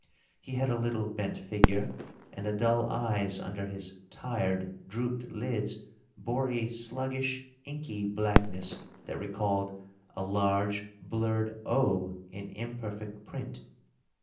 He had a little bent figure, and the dull eyes under his tired, drooped lids bore a sluggish, inky blackness that recalled a large blurred O in imperfect print.